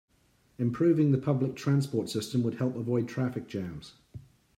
Improving the public transport system would help avoid traffic jams.